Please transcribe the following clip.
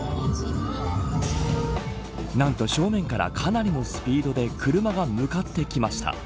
何と正面からかなりのスピードで車が向かってきました。